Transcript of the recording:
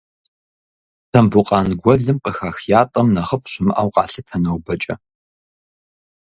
Тамбукъан гуэлым къыхах ятӏэм нэхъыфӏ щымыӏэу къалъытэ нобэкӏэ.